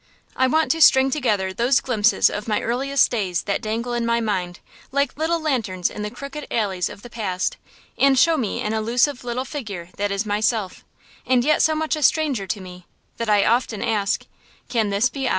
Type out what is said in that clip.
I want to string together those glimpses of my earliest days that dangle in my mind, like little lanterns in the crooked alleys of the past, and show me an elusive little figure that is myself, and yet so much a stranger to me, that I often ask, Can this be I?